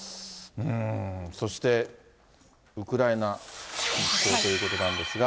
そして、ウクライナ侵攻ということなんですが。